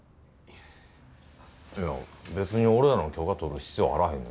いや別に俺らの許可取る必要あらへんね。